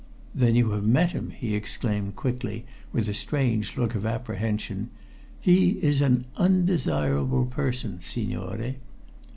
"Then you have met him!" he exclaimed quickly, with a strange look of apprehension. "He is an undesirable person, signore."